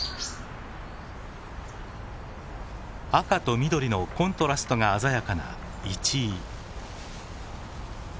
赤と緑のコントラストが鮮やかなイチイ。